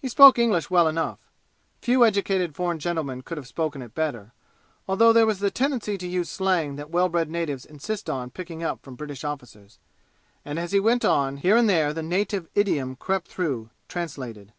He spoke English well enough. Few educated foreign gentlemen could have spoken it better, although there was the tendency to use slang that well bred natives insist on picking up from British officers; and as he went on, here and there the native idiom crept through, translated.